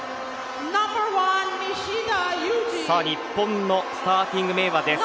日本のスターティングメンバーです。